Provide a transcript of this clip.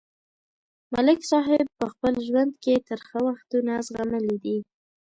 ملک صاحب په خپل ژوند کې ترخه وختونه زغملي دي.